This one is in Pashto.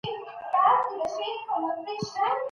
ډیپلوماټیکې غونډي باید د افغانستان د روښانه راتلونکي لپاره وي.